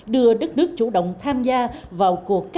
đưa đất nước chủ động tham gia vào cuộc